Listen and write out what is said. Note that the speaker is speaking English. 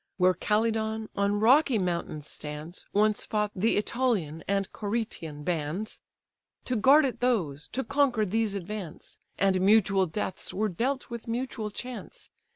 "Where Calydon on rocky mountains stands Once fought the Ætolian and Curetian bands; To guard it those; to conquer, these advance; And mutual deaths were dealt with mutual chance.